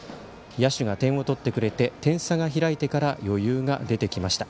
野手が点を取ってくれて点差が開いてから余裕が出てきました。